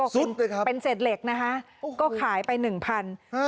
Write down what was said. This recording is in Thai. สุดเลยครับเป็นเศษเหล็กนะคะก็ขายไปหนึ่งพัน